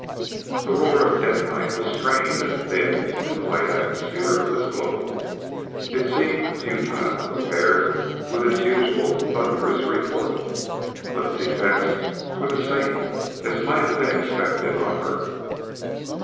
The roar of detonite was strained and thin in the light atmosphere of this globe; it seemed futile compared with its usual thunderous report. But its effects were the same as might have been expected on Earth!